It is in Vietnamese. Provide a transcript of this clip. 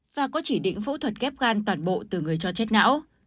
và có chỉ định phẫu thuật ghép gan toàn bộ từ người cho chết não